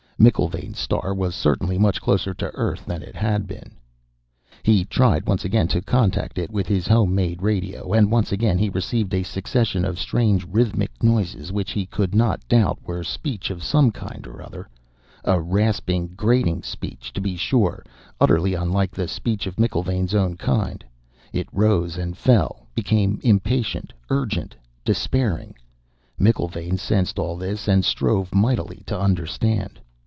McIlvaine's star was certainly much closer to the Earth than it had been. He tried once again to contact it with his home made radio, and once again he received a succession of strange, rhythmic noises which he could not doubt were speech of some kind or other a rasping, grating speech, to be sure, utterly unlike the speech of McIlvaine's own kind. It rose and fell, became impatient, urgent, despairing McIlvaine sensed all this and strove mightily to understand.